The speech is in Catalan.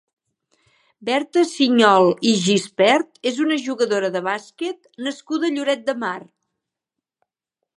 Berta Sinyol i Gispert és una jugadora de bàsquet nascuda a Lloret de Mar.